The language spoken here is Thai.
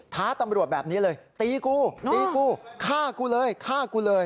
ท้าตำรวจแบบนี้เลยตีกูตีกูฆ่ากูเลยฆ่ากูเลย